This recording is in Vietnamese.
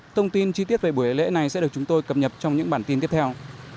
thông tin chi tiết về buổi lễ này sẽ được chúng tôi cập nhật trong những bản tin tiếp theo